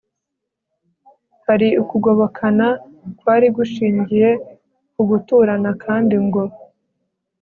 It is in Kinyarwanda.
hari ukugobokana kwari gushingiye ku guturana kandi ngo